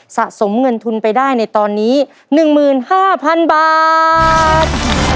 สะสมเงินทุนไปได้ในตอนนี้หนึ่งหมื่นห้าพันบาท